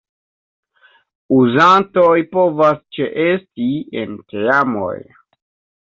Uzantoj povas ĉeesti en teamoj.